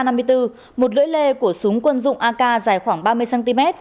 một lưỡi lê của súng quân dụng ak dài khoảng ba mươi cm